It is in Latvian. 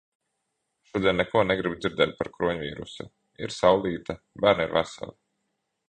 Šodien neko negribu dzirdēt par kroņvīrusu! Ir saulīte. Bērni ir veseli.